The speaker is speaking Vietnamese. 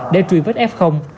để truy vết f